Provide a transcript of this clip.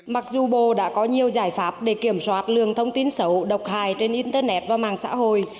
mặc dù bộ đã có nhiều giải pháp để kiểm soát lường thông tin xấu độc hài trên internet và mạng xã hội